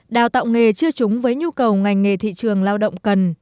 đào tạo nghề chưa trúng với nhu cầu ngành nghề thị trường lao động cần